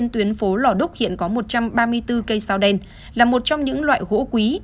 tuyến phố lò đúc hiện có một trăm ba mươi bốn cây sao đen là một trong những loại gỗ quý